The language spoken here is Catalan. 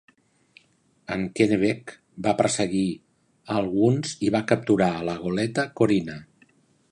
En "Kennebec" va perseguir a alguns i va capturar a la goleta "Corina".